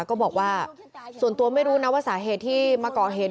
ก็บอกว่าส่วนตัวไม่รู้นะว่าสาเหตุที่มาก่อเหตุ